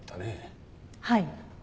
はい。